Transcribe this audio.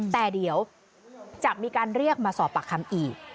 แต่เดี๋ยวจะมีการเรียกมาสอบปากคำอีก